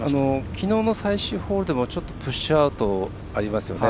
きのうの最終ホールでもプッシュアウト、ありますよね。